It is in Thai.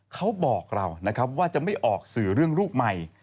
เขาบอกเรานะครับว่าจะไม่ออกสื่อเรื่องรูปใหม่